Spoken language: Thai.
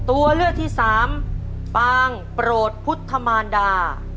ตัวเลือกที่สามปางโปรดพุทธมารดา